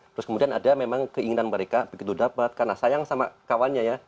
terus kemudian ada memang keinginan mereka begitu dapat karena sayang sama kawannya ya